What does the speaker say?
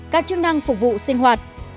các chức năng phục vụ sinh hoạt